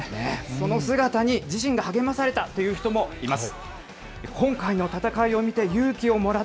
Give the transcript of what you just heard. その姿に自身が励まされたという人もいます。